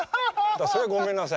それはごめんなさい。